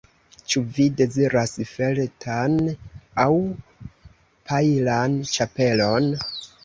Ĉu vi deziras feltan aŭ pajlan ĉapelon?